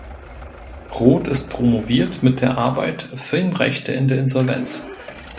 Roth ist promoviert mit der Arbeit „Filmrechte in der Insolvenz“.